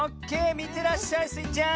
みてらっしゃいスイちゃん！